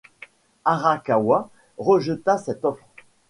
Arakawa rejeta cette offre.